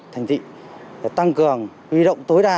thành tị tăng cường uy động tối đa